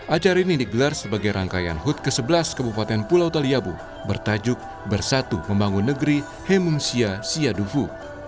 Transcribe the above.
acara ini digelar sebagai rangkaian hut ke sebelas kabupaten pulau taliabu bertajuk bersatu membangun negeri hemumsia siaduvu